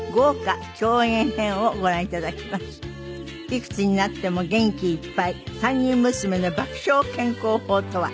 いくつになっても元気いっぱい３人娘の爆笑健康法とは。